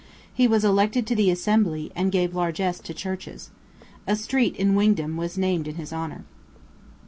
He was elected to the Assembly, and gave largess to churches. A street in Wingdam was named in his honor.